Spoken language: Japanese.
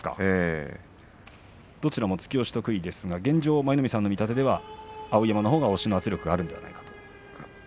どちらも突き押し得意ですが現状、舞の海さんの見立てでは碧山のほうが圧力があるのかと。